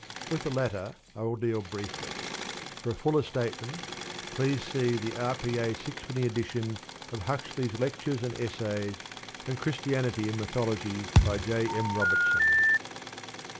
With the latter I will deal briefly. For a fuller statement, please see the R.P.A. sixpenny edition of Huxley's Lectures and Essays, and Christianity and Mythology, by J. M. Robertson.